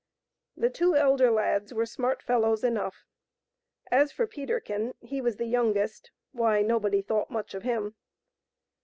The two elder lads ^" were smart fellows enough; as for Peterkin, he was the youngest — why, nobody thought much of him.